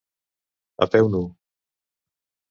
A peu nu.